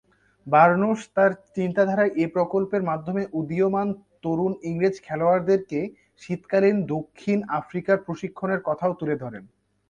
Burns তার চিন্তাধারায় এ প্রকল্পের মাধ্যমে উদীয়মান তরুণ ইংরেজ খেলোয়াড়দেরকে শীতকালীন দক্ষিণ আফ্রিকায় প্রশিক্ষণের কথাও তুলে ধরেন।